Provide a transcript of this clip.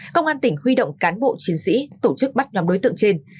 công an tỉnh huy động cán bộ chiến sĩ tổ chức bắt nhóm đối tượng trên